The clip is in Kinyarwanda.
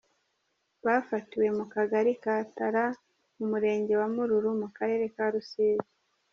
Bafatiwe mu kagari ka Tara, mu murenge wa Mururu, mu karere ka Rusizi.